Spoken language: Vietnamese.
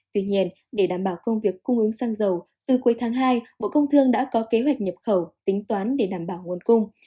tuy nhiên để đảm bảo công việc cung ứng xăng dầu từ cuối tháng hai bộ công thương đã có kế hoạch nhập khẩu tính toán để đảm bảo nguồn cung